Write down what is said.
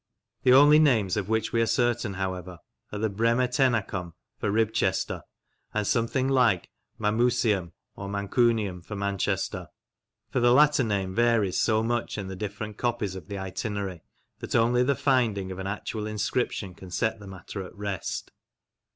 The only names of which we are certain, however, are Bremetennacum for Ribchester, and something like Mamucium or Mancunium for Manchester, for the latter name varies so much in the different copies of the Itinerary that only the finding of an actual inscription can set the matter at rest.